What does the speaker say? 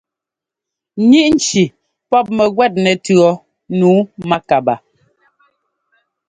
Ŋíʼ nci pɔ́p mɛguɛt nɛtʉ̈ɔ nǔu mákabaa.